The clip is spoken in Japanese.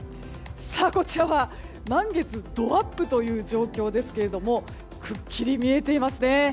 こちらは、満月どアップという状況ですけどもくっきり見えていますね。